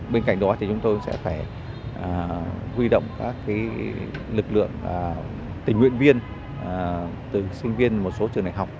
bên cạnh đó thì chúng tôi sẽ phải huy động các lực lượng tình nguyện viên từ sinh viên một số trường đại học